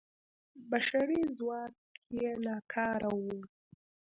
بشري ځواک یې ناکاره و.